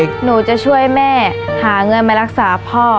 หนูจะช่วยแม่หาเงินมารักษาพ่อ